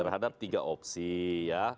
terhadap tiga opsi ya